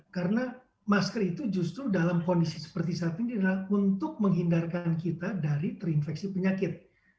karena masker itu justru dalam kondisi seperti saat ini adalah untuk menghindarkan kita dari terinfeksi penyakit